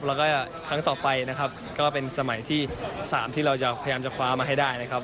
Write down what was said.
แล้วก็ครั้งต่อไปนะครับก็เป็นสมัยที่๓ที่เราจะพยายามจะคว้ามาให้ได้นะครับ